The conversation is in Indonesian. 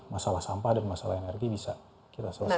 masalah sampah dan masalah energi bisa kita selesaikan